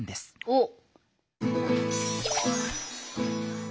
おっ。